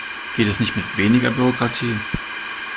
Geht es nicht mit weniger Bürokratie?